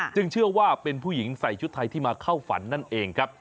เชื่อว่าเป็นผู้หญิงใส่ชุดไทยที่มาเข้าฝันนั่นเองครับ